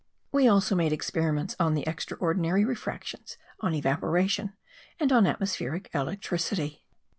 We also made experiments on the extraordinary refractions, on evaporation and on atmospheric electricity.